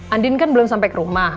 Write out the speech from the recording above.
andin kan belum sampai ke rumah